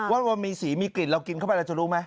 ว่าเรามีสีมีกลิ่นเรากินเข้าไปเราจะรู้ไหม